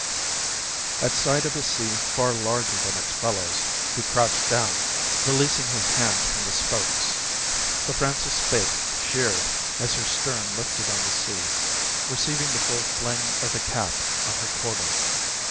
At sight of a sea far larger than its fellows, he crouched down, releasing his hands from the spokes. The Francis Spaight sheered as her stern lifted on the sea, receiving the full fling of the cap on her quarter.